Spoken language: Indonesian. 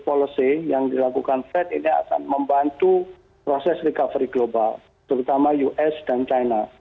policy yang dilakukan fed ini akan membantu proses recovery global terutama us dan china